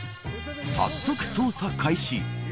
早速、捜査開始。